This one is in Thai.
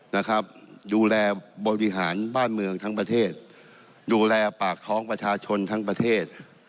นะครับดูแลบริหารบ้านเมืองทั้งประเทศดูแลปากท้องประชาชนทั้งประเทศ